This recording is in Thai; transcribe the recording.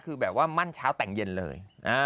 คือแบบว่ามั่นเช้าแต่งเย็นเลย